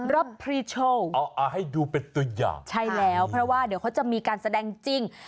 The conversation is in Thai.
รับพรีชัลให้ดูเป็นตัวอย่างใช่แล้วเพราะว่าเดี๋ยวเขาจะมีการแสดงจริง